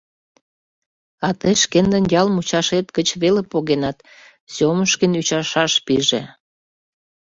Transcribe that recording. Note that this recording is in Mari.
— А тый шкендын ял мучашет гыч веле погенат, — Сёмушкин ӱчашаш пиже.